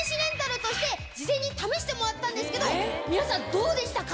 事前に試してもらったんですけど皆さんどうでしたか？